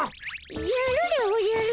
やるでおじゃる。